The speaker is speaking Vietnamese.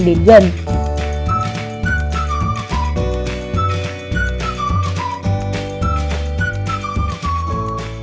đến gần à